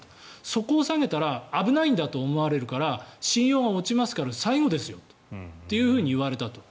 そこを下げたら危ないんだと思われるから信用が落ちますから最後ですよと言われたと。